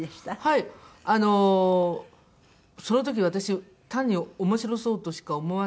はいあのその時私単に面白そうとしか思わなくてですね。